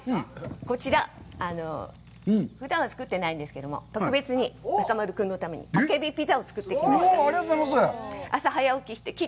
こちら、ふだんは作ってないんですけども、特別に中丸君のためにあけびピザを作ってきました。